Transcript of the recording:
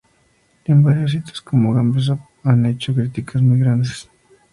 En varios sitios como Gamespot han hecho críticas muy grandes.